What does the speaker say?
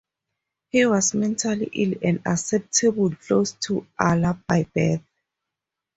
He was mentally ill and acceptable close to Allah by birth.